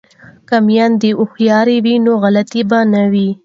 که میندې هوښیارې وي نو غلطي به نه وي.